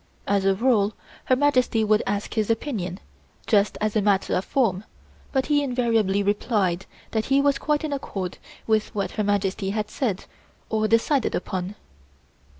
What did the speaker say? As a rule, Her Majesty would ask his opinion, just as a matter of form, but he invariably replied that he was quite in accord with what Her Majesty had said or decided upon.